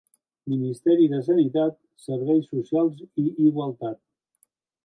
Ministeri de Sanitat, Serveis Socials i Igualtat.